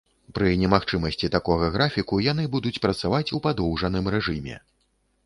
Пры немагчымасці такога графіку яны будуць працаваць у падоўжаным рэжыме.